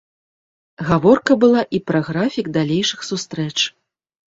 Гаворка была і пра графік далейшых сустрэч.